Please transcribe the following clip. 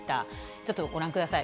ちょっとご覧ください。